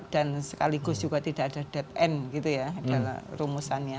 dan sekaligus juga tidak ada dead end gitu ya dalam rumusannya